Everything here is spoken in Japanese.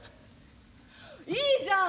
いいじゃん。